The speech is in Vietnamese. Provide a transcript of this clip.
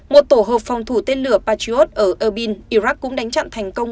một tổ hợp phòng thủ tên lửa patriot ở abin iraq cũng đánh chặn thành công